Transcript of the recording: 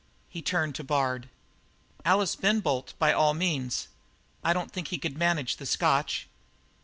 He turned to Bard. "'Alice, Ben Bolt,' by all means. I don't think he could manage the Scotch."